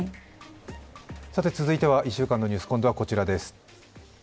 続いては１週間のニュース今度はこちらです。